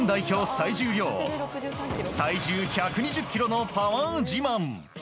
最重量体重１２０ｋｇのパワー自慢。